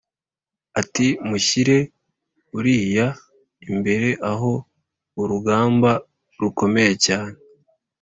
ati “Mushyire Uriya imbere aho urugamba rukomeye cyane